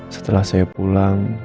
setelah saya pulang